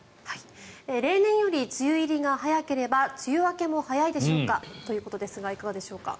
例年より梅雨入りが早ければ梅雨明けも早いでしょうかということですが。